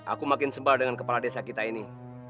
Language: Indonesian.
aku makin sebal dengan kepala desa kita ini